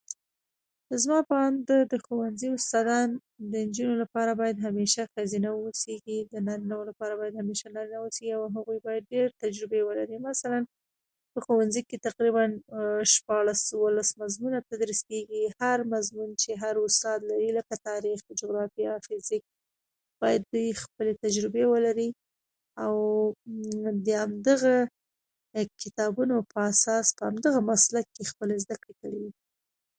هغه چې ولاړ و، بيا کېناست، او چې کېناست، بيا ودريد، لکه چې نه پوهېده څه وکړي.